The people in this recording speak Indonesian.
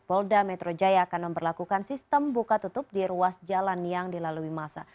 polda metro jaya akan memperlakukan sistem buka tutup di ruas jalan yang dilalui masa